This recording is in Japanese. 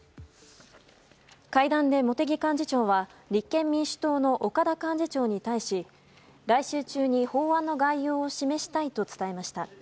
会談で茂木幹事長は立憲民主党の岡田幹事長に対し来週中に法案の概要を示したいと伝えました。